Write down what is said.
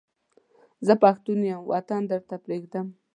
زه پښتون یم وطن ورته پرېږدم.